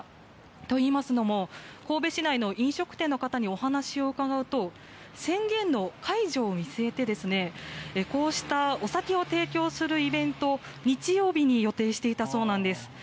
といいますのも、神戸市内の飲食店の方にお話を伺うと宣言の解除を見据えてこうしたお酒を提供するイベントを日曜日に予定していたそうなんです。